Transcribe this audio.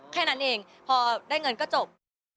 แค่นั้นเองพอได้เงินก็จบ